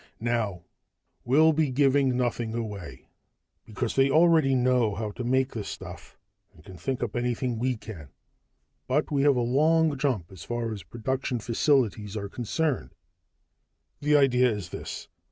"Now, we'll be giving nothing away, because they already know how to make the stuff and can think up anything we can. But, we have a long jump as far as production facilities are concerned. "The idea is this.